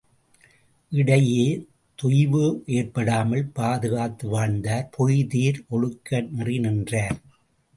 இடையே தொய்வே ஏற்படாமல் பாதுகாத்து வாழ்ந்தார் பொய்தீர் ஒழுக்கநெறி நின்றார்.